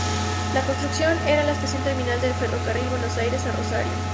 La construcción era la estación terminal del Ferrocarril Buenos Aires a Rosario.